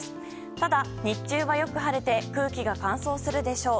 ただ、日中はよく晴れて空気が乾燥するでしょう。